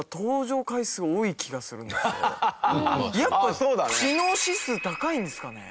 やっぱ知能指数、高いんですかね。